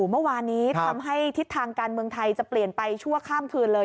เมื่อวานนี้ทำให้ทิศทางการเมืองไทยจะเปลี่ยนไปชั่วข้ามคืนเลย